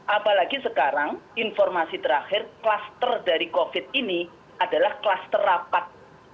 apalagi sekarang informasi terakhir kluster dari covid ini adalah kluster rapat